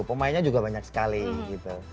pemainnya juga banyak sekali gitu